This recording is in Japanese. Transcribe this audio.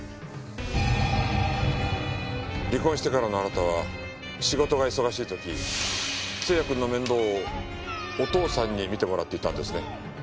離婚してからのあなたは仕事が忙しい時星也くんの面倒をお父さんに見てもらっていたんですね？